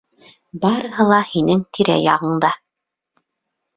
БАРЫҺЫ ЛА ҺИНЕҢ ТИРӘ-ЯҒЫҢДА